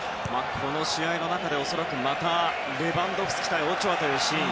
この試合の中で恐らくまたレバンドフスキ対オチョアのシーン